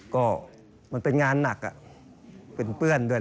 ก็มันเป็นงานหนักเป็นเปื้อนด้วย